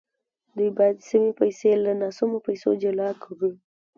دوی باید سمې پیسې له ناسمو پیسو جلا کړي